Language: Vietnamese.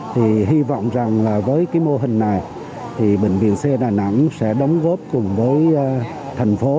thì hy vọng rằng với mô hình này bệnh viện xe đà nẵng sẽ đóng góp cùng với thành phố